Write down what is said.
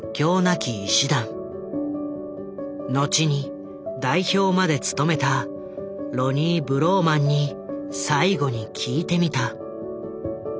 後に代表まで務めたロニー・ブローマンに最後に聞いてみた。